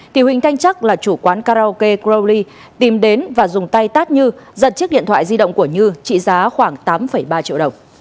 thì huỳnh thanh chắc là chủ quán karaoke groulli tìm đến và dùng tay tát như giật chiếc điện thoại di động của như trị giá khoảng tám ba triệu đồng